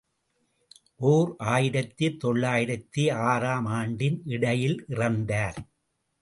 ஓர் ஆயிரத்து தொள்ளாயிரத்து ஆறு ஆம் ஆண்டின் இடையில் இறந்தார்.